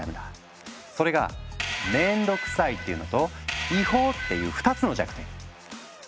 それが「面倒くさい」っていうのと「違法」っていう２つの弱点。